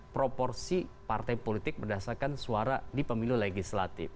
proporsi partai politik berdasarkan suara di pemilu legislatif